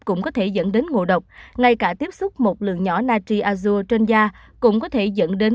cũng có thể dẫn đến ngộ độc ngay cả tiếp xúc một lượng nhỏ nati azuo trên da cũng có thể dẫn đến